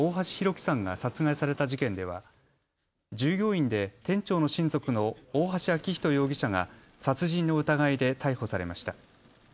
輝さんが殺害された事件では従業員で店長の親族の大橋昭仁容疑者が殺人の疑いで逮捕されました。